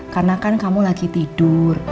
karena kan kamu lagi tidur